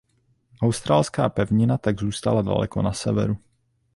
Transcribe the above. Australská pevnina tak zůstala daleko na severu.